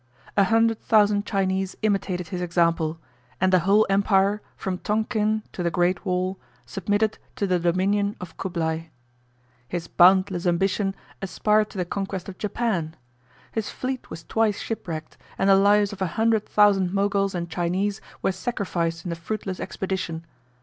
A hundred thousand Chinese imitated his example; and the whole empire, from Tonkin to the great wall, submitted to the dominion of Cublai. His boundless ambition aspired to the conquest of Japan: his fleet was twice shipwrecked; and the lives of a hundred thousand Moguls and Chinese were sacrificed in the fruitless expedition.